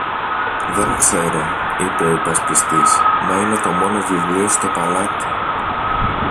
Δεν ξέρω, είπε ο υπασπιστής, μα είναι το μόνο βιβλίο στο παλάτι.